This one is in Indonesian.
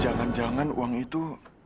jangan jangan uang itu